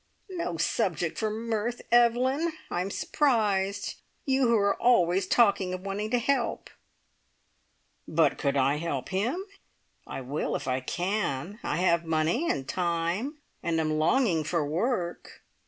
"No subject for mirth, Evelyn. I'm surprised! You who are always talking of wanting to help " "But could I help him? I will, if I can. I have money and time, and am longing for work.